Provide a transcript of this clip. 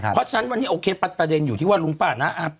เพราะฉะนั้นวันนี้โอเคประเด็นอยู่ที่ว่าลุงป้าน้าอัพ